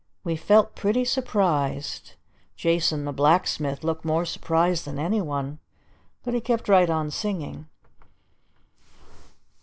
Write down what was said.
We felt pretty surprised. Jason the Blacksmith looked more surprised than anyone! But he kept right on singing!